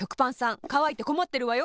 かわいてこまってるわよ。